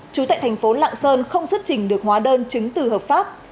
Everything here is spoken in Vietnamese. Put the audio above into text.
trú tại thành phố lạng sơn không xuất trình được hóa đơn chứng từ hợp pháp